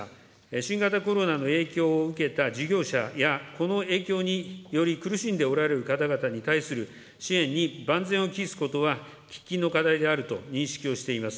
新型コロナの影響を受けた事業者やその影響により苦しんでおられる方々に対する支援に万全を期すことは、喫緊の課題であると認識をしております。